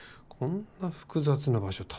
こんな複雑な場所